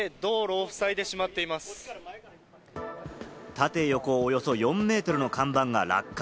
縦・横およそ４ｍの看板が落下。